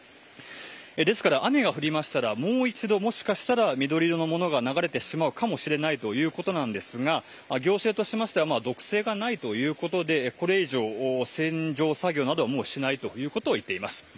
ですから、雨が降りましたらもう一度もしかしたら緑色のものが流れてしまうかもしれないということですが行政としましては毒性がないということでこれ以上、洗浄作業などはもうしないということを言っています。